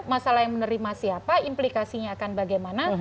masalah yang menerima siapa implikasinya akan bagaimana